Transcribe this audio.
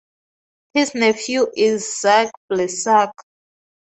His nephew is Zach Plesac.